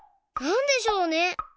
なんでしょうね？